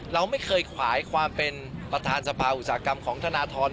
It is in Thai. เราไม่เคยขวายความเป็นประธานสภาอุตสาหกรรมของธนทร